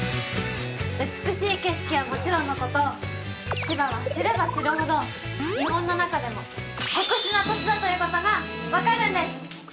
美しい景色はもちろんのこと千葉は知れば知るほど日本の中でも特殊な土地だということが分かるんです